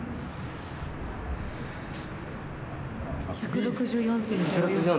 １６４．０４。